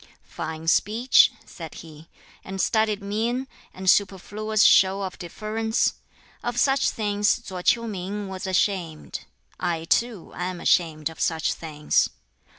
"Fine speech," said he, "and studied mien, and superfluous show of deference of such things Tso k'iu Ming was ashamed, I too am ashamed of such things.